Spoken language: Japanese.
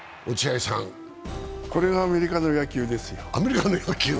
これがアメリカの野球ですよ。